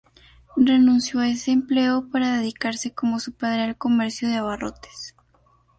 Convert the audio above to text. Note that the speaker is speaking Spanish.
Renunció a ese empleo para dedicarse, como su padre, al comercio de abarrotes.